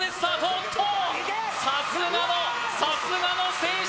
おっとさすがのさすがの選手